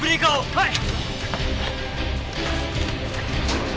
はい！